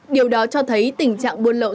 điều đó cho thấy tình trạng buôn lậu